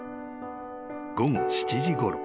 ［午後７時ごろ］